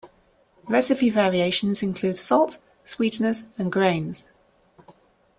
Recipe variations include salt, sweeteners, and grains.